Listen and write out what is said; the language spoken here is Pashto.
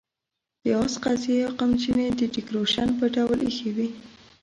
د آس قیضې او قمچینې د ډیکوریشن په ډول اېښې وې.